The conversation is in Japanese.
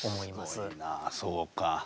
すごいなそうか。